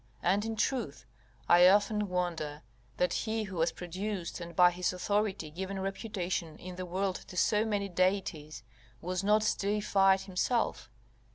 And, in truth, I often wonder that he who has produced, and, by his authority, given reputation in the world to so many deities, was not deified himself.